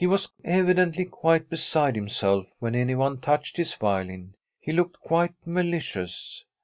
He was evidently quite beside himself when anyone touched his violin. He looked quite malicious.